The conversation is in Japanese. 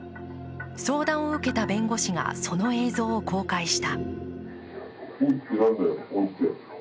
相談を受けた弁護士が、その映像を公開した。